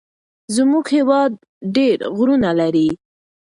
زمونږ هيواد ډير غرونه لري.